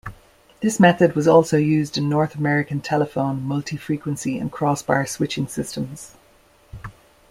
This method was also used in North American telephone Multi-frequency and crossbar switching systems.